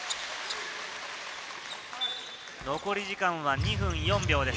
残り時間は２分４秒です。